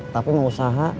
tapi mau usaha